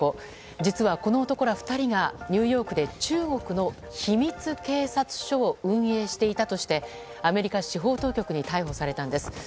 実は、この男ら２人がニューヨークで中国の秘密警察署を運営していたとしてアメリカ司法当局に逮捕されたんです。